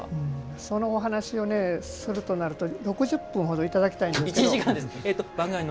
そのお話をするとなると６０分ほどいただきたいんですけども。